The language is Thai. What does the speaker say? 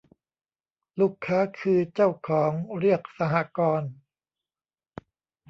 ลูกค้าคือเจ้าของ เรียก สหกรณ์